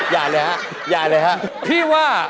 ยากเลยฮะ